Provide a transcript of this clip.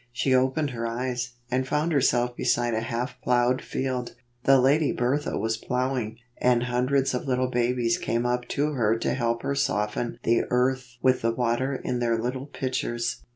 She opened her eyes, and found herself beside a half plowed field. The Lady Bertha was plow ing, and hundreds of little babies came up to her to help her soften the earth with the water in their little pitchers.